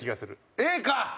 Ａか！